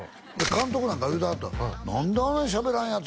監督なんか言うてはった「何であんなにしゃべらんヤツが」